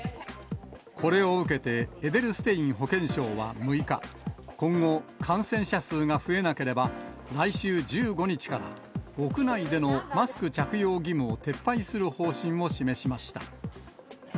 これを受けて、エデルステイン保健相は６日、今後、感染者数が増えなければ、来週１５日から国内でのマスク着用義務を撤廃する方針を示しました。